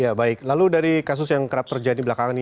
ya baik lalu dari kasus yang kerap terjadi belakangan ini